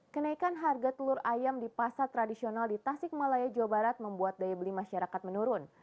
kenaikan harga telur ayam di pasar tradisional di tasik malaya jawa barat membuat daya beli masyarakat menurun